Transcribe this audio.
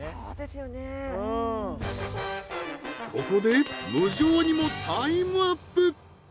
ここで無情にもタイムアップ！